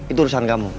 itu urusan kamu